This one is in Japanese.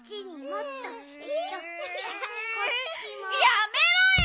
やめろよ！